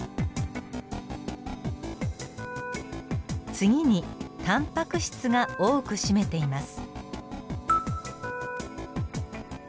次にタンパク質が多く占めています。